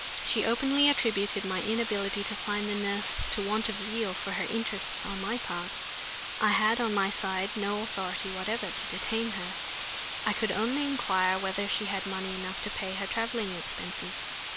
She openly attributed my inability to find the nurse to want of zeal for her interests on my part. I had, on my side, no authority whatever to detain her. I could only inquire whether she had money enough to pay her traveling expenses.